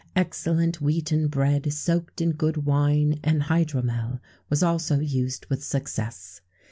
Excellent wheaten bread, soaked in good wine and hydromel, was also used with success.